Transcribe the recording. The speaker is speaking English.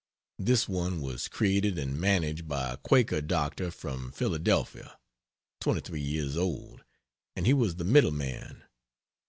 This one was created and managed by a Quaker doctor from Philada., (23 years old) and he was the middle man.